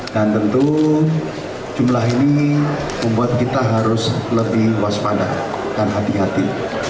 dan tentu jumlah ini membuat kita harus lebih waspada dan hati hati